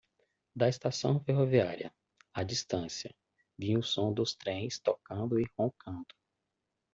Da estação ferroviária, à distância, vinha o som dos trens tocando e roncando.